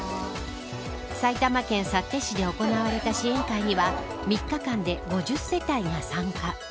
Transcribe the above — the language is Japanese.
埼玉県幸手市で行われた支援会には３日間で５０世帯が参加。